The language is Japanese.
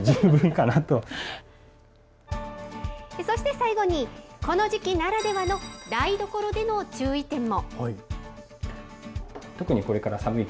そして、最後にこの時期ならではの、台所での注意点も。